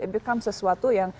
it becomes sesuatu yang